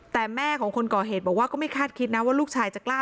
แต่แม่ของคนก่อเหตุบอกว่าก็ไม่คาดคิดนะว่าลูกชายจะกล้า